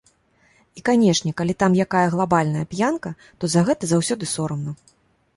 І, канешне, калі там якая глабальная п'янка, то за гэта заўсёды сорамна.